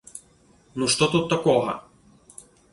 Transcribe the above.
Ну што тут такога?